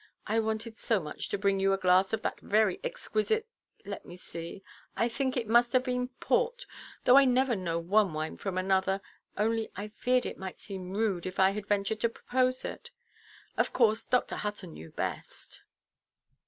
I wanted so much to bring you a glass of that very exquisite—let me see, I think it must have been port, though I never know one wine from another—only I feared it might seem rude, if I had ventured to propose it. Of course Dr. Hutton knew best."